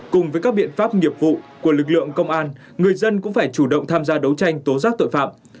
cùng với các biện pháp nghiệp vụ của lực lượng công an người dân cũng phải chủ động tham gia đấu tranh tố giác tội phạm